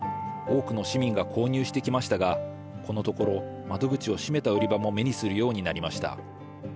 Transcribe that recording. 多くの市民が購入してきましたがこのところ窓口を閉めた売り場も目にするようになりました。